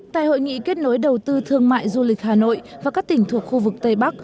tại hội nghị kết nối đầu tư thương mại du lịch hà nội và các tỉnh thuộc khu vực tây bắc